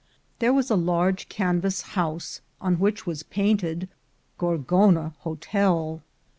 There was a large canvas house, on which was painted "Gorgona Hotel."